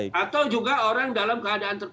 kalau ada kejahatan itu bisa dianggap